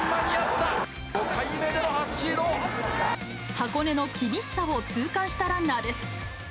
箱根の厳しさを痛感したランナーです。